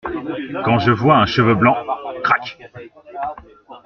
Quand je vois un cheveu blanc… crac !